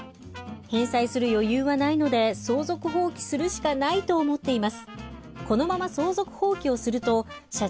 返済する余裕はないので相続放棄するしかないと思っています